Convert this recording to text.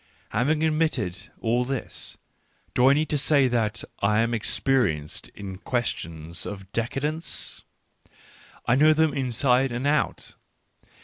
Having admitted all this, do I need to say that I am experienced in questions of decadence ? I know them inside and out.